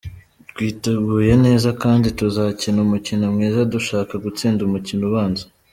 Twiteguye neza kandi tuzakina umukino mwiza dushaka gutsinda umukino ubanza.